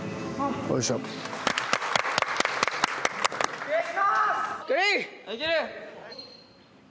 お願いします！